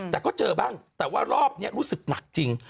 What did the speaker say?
แต่ก็เจอบ้างแต่ว่ารอบนี้รู้สึกหนักจริง